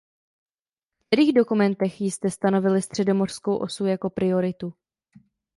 V kterých dokumentech jste stanovili středomořskou osu jako prioritu?